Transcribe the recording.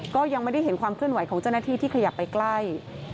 ก็ยังไม่ได้เห็นความเคลื่อนไหวของเจ้าหน้าที่ที่ขยับไปใกล้